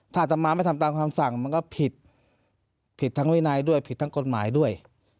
ถ้าอัตมาไม่ทำตามคำสั่งมันก็ผิดผิดทั้งวินัยด้วยผิดทั้งกฎหมายด้วย